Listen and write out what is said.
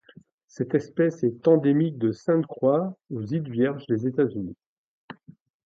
Cette espèce est endémique de Sainte-Croix aux îles Vierges des États-Unis.